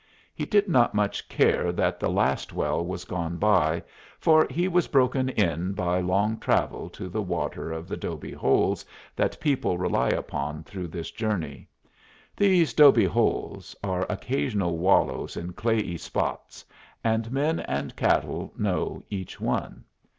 He did not much care that the last well was gone by, for he was broken in by long travel to the water of the 'dobe holes that people rely upon through this journey. These 'dobe holes are occasional wallows in clayey spots, and men and cattle know each one.